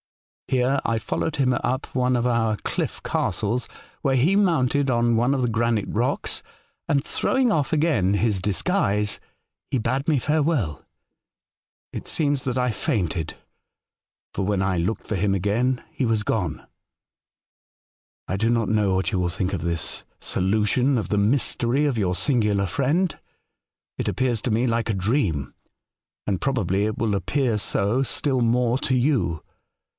Here I followed him up one of our cliff castles, where he mounted on one of the granite rocks, and, throwing off again his dis guise, he bade me farewell. It seems that I fainted, for when I looked for him again he was gone. "I do not know what you will think of this solution of the mystery of your singular friend. It appears to me like a dream, and probably it will appear so still more to you.